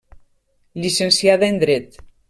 Llicenciada en dret.